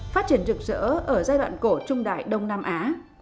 phát triển rực rỡ ở giai đoạn cổ trung đại đông nam á